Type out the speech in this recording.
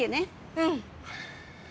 うん！